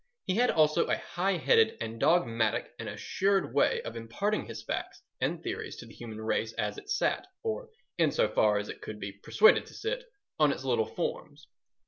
He had also a high headed and dogmatic and assured way of imparting his facts and theories to the human race as it sat—or in so far as it could be persuaded to sit—on its little forms.